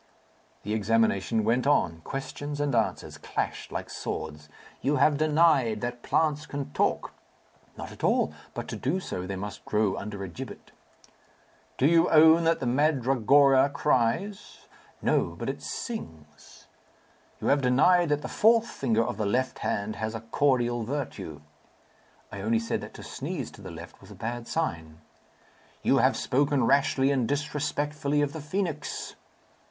The examination went on; questions and answers clashed like swords. "You have denied that plants can talk." "Not at all. But to do so they must grow under a gibbet." "Do you own that the mandragora cries?" "No; but it sings." "You have denied that the fourth finger of the left hand has a cordial virtue." "I only said that to sneeze to the left was a bad sign." "You have spoken rashly and disrespectfully of the phoenix."